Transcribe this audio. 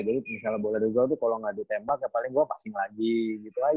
jadi misalnya bola di gol tuh kalo gak ditembak ya paling gue passing lagi gitu aja